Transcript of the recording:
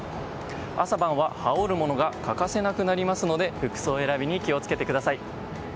朝晩は羽織るものが欠かせなくなりますので服装選びに気を付けてください。